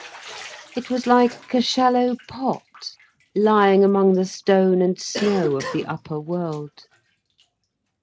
It was like a shallow pot lying among the stone and snow of the upper world.